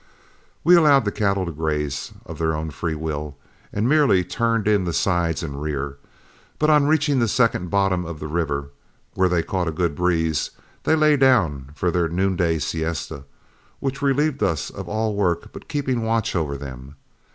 We allowed the cattle to graze of their own free will, and merely turned in the sides and rear, but on reaching the second bottom of the river, where they caught a good breeze, they lay down for their noonday siesta, which relieved us of all work but keeping watch over them.